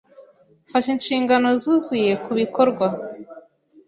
Mfashe inshingano zuzuye kubikorwa.